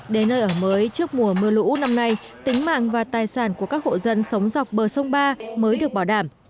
đến nơi ở mới trước mùa mưa lũ năm nay tính mạng và tài sản của các hộ dân sống dọc bờ sông ba mới được bảo đảm